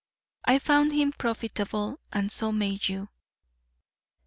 I found him profitable; and so may you.